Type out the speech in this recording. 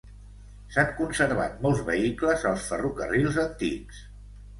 S'han conservat molts vehicles als ferrocarrils antics.